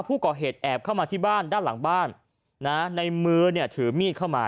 ผู้ก่อเหตุแอบเข้ามาที่บ้านด้านหลังบ้านนะในมือเนี่ยถือมีดเข้ามา